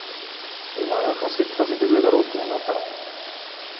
お前がかつて聞かせてくれた録音があったろ。